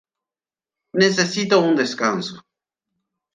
Necesito un descanso".